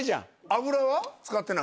油は使ってない？